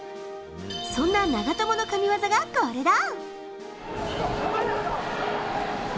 そんな長友の神技がこれだ。